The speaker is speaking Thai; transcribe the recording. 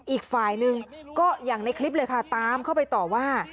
อีกฝ่ายหนึ่งก็อย่างในคลิปเลยค่ะตามเข้าไปต่อว่า